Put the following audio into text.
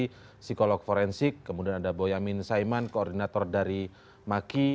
psikolog forensik kemudian ada boyamin saiman koordinator dari maki